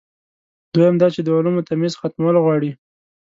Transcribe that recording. دویم دا چې د علومو تمیز ختمول غواړي.